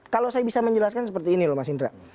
kalau saya bisa menjelaskan seperti ini loh mas indra